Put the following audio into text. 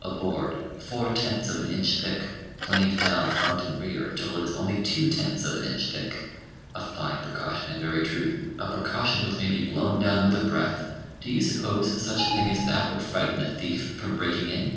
A board, four tenths of an inch thick, planed down front and rear until it is only two tenths of an inch thick. A fine precaution, in very truth! a precaution which may be blown down with a breath. Do you suppose such a thing as that would frighten a thief from breaking in?